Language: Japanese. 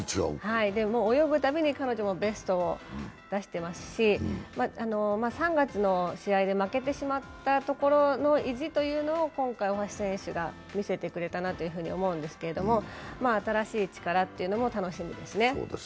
泳ぐたびに彼女もベストを出してますし、３月の試合で負けてしまったところの意地を今回、大橋選手が見せてくれたなと思うんですけど、新しい力というのも楽しみですね。